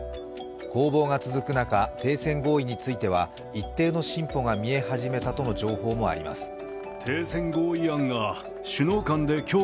攻防が続く中、停戦合意については一定の進歩が見え始めたとの情報もあります。